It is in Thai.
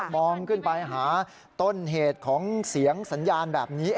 มองขึ้นไปหาต้นเหตุของเสียงสัญญาณแบบนี้